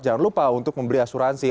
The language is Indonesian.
jangan lupa untuk membeli asuransi